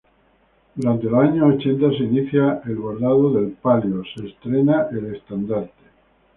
Durante los años ochenta se inicia el bordado del palio, se estrena el estandarte.